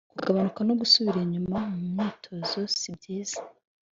Kugabanuka no gusubira inyuma mu myitozo si byiza